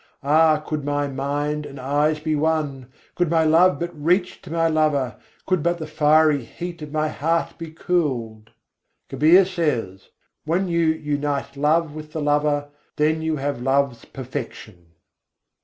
Ah, could my mind and eyes be one! Could my love but reach to my Lover! Could but the fiery heat of my heart be cooled! Kabîr says: "When you unite love with the Lover, then you have love's perfection."